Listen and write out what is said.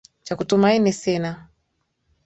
Cha kutumaini sina.